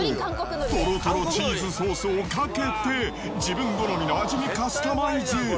とろとろチーズソースをかけて、自分好みの味にカスタマイズ。